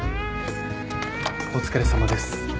お疲れさまです。